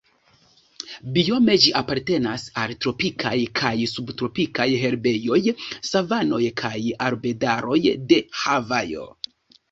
Biome ĝi apartenas al tropikaj kaj subtropikaj herbejoj, savanoj kaj arbedaroj de Havajo.